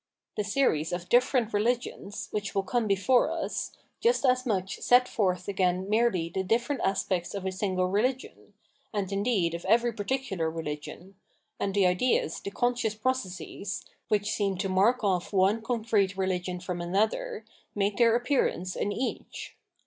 The series of different religions, which will come before us, just as much sets forth again merely the different aspects of a single religion, and indeed of every particular religion, and the ideas, the conscious processes, which seem to mark off one concrete religion from another, make their appearance in each.